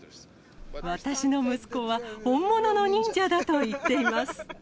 私の息子は、本物の忍者だと言っています。